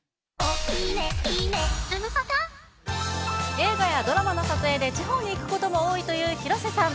映画やドラマの撮影で地方に行くことも多いという広瀬さん。